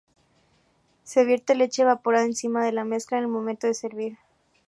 Se vierte leche evaporada encima de la mezcla en el momento de servir.